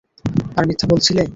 আর মিথ্যা বলেছিলে?